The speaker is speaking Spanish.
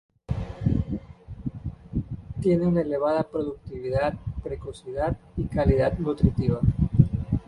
Tiene una elevada productividad, precocidad y calidad nutritiva.